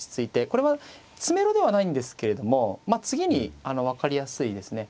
これは詰めろではないんですけれどもまあ次に分かりやすいですね